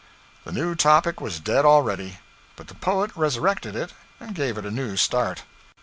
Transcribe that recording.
The new topic was dead already. But the poet resurrected it, and gave it a new start.